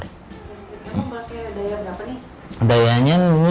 listriknya mau pakai daya berapa nih